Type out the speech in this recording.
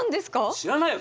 知らないよ！